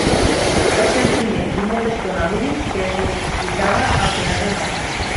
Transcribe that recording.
Va ser el primer i molta estona l'únic que es dedicava al teatre nou.